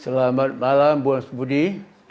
selamat malam buya syafiee